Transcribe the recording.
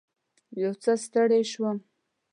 یو څه ستړې شوم.